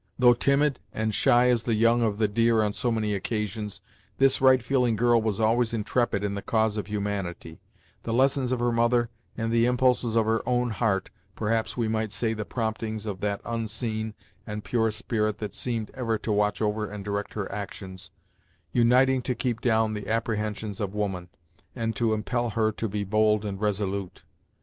Though timid, and shy as the young of the deer on so many occasions, this right feeling girl was always intrepid in the cause of humanity; the lessons of her mother, and the impulses of her own heart perhaps we might say the promptings of that unseen and pure spirit that seemed ever to watch over and direct her actions uniting to keep down the apprehensions of woman, and to impel her to be bold and resolute.